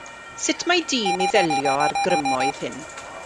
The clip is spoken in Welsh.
Sut mae dyn i ddelio â'r grymoedd hyn?